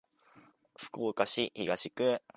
福岡市東区